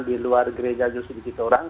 di luar gereja juga sedikit orang